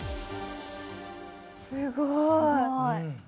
すごい。